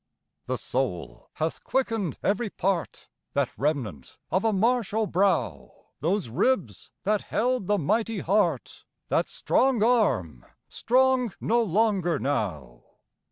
The soul hath quickened every part, That remnant of a martial brow, Those ribs that held the mighty heart, That strong arm, strong no longer now.